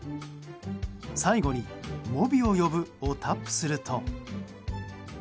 最後に、ｍｏｂｉを呼ぶをタップすると。